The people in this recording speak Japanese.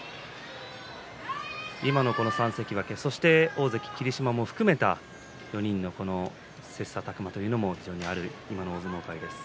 今のこの３関脇そして大関霧島も含めた４人の切さたく磨というのも非常に今ある大相撲界です。